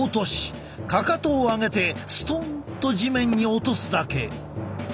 かかとを上げてストンと地面に落とすだけ。